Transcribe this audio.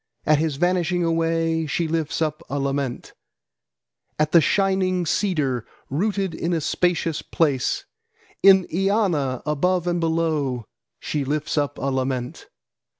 at his vanishing away she lifts up a lament, At the shining cedar, rooted in a spacious place, In Eanna, above and below, she lifts up a lament.